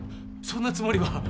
そんなつもりは。